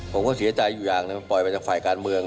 ผมก็เสียใจอยู่อย่างหนึ่งมันปล่อยมาจากฝ่ายการเมือง